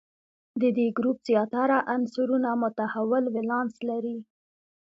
د دې ګروپ زیاتره عنصرونه متحول ولانس لري.